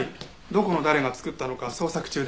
どこの誰が作ったのか捜索中です。